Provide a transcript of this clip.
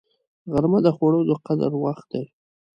غرمه د خوړو د قدر وخت دی